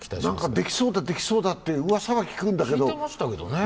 できそうだ、できそうだってうわさは聞くんだけど。